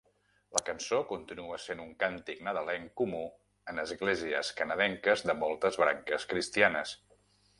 La cançó continua sent un càntic nadalenc comú en esglésies canadenques de moltes branques cristianes.